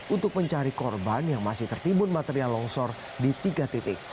untuk mencari korban yang masih tertimbun material longsor di tiga titik